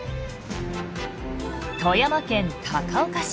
富山県高岡市。